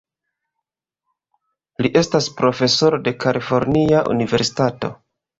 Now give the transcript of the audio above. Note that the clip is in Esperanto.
Li estas profesoro de Kalifornia Universitato.